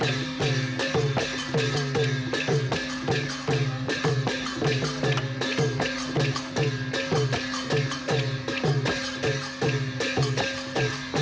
สวัสดีครับ